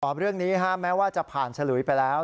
เรื่องนี้แม้ว่าจะผ่านฉลุยไปแล้ว